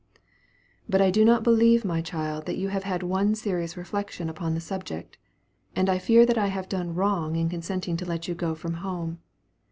"But I do not believe, my child, that you have had one serious reflection upon the subject, and I fear that I have done wrong in consenting to let you go from home.